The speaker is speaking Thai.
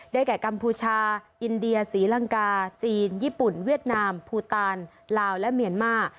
แก่กัมพูชาอินเดียศรีลังกาจีนญี่ปุ่นเวียดนามภูตานลาวและเมียนมา